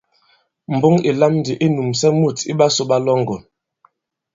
Mboŋ ì lam ndī i nūmsɛ mût iɓasū ɓa Lɔ̌ŋgòn.